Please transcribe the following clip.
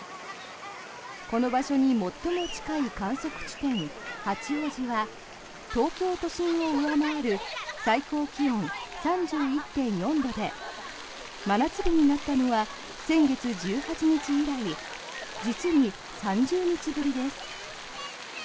この場所に最も近い観測点八王子は東京都心を上回る最高気温３１．４度で真夏日になったのは先月１８日以来実に３０日ぶりです。